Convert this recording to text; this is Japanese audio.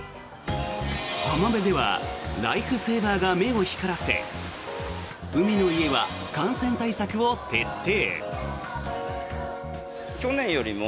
浜辺ではライフセーバーが目を光らせ海の家は感染対策を徹底。